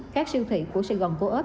các siêu thị của sài gòn co op